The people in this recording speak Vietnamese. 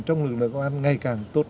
trong lực lượng của anh ngày càng tốt